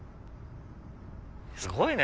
すごいね！